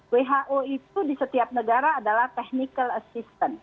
who itu di setiap negara adalah technical assistant